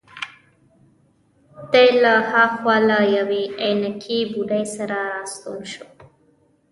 دی له هاخوا له یوې عینکې بوډۍ سره راستون شو.